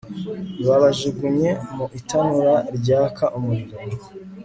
babajugunye mu itanura ryaka umuriro